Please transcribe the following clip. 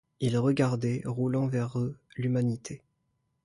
Ils regardaient, roulant vers eux, l’humanité